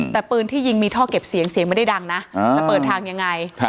แต่ปืนที่ยิงมีท่อเก็บเสียงเสียงไม่ได้ดังนะจะเปิดทางยังไง